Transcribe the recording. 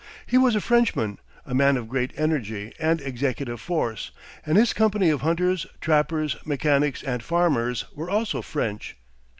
He was a Frenchman, a man of great energy and executive force, and his company of hunters, trappers, mechanics, and farmers, were also French.